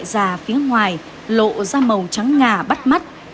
già phía ngoài lộ ra màu trắng ngà bắt mắt